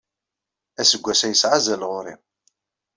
Aseggas-a yesɛa azal ɣer-i.